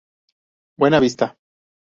Buena Vista.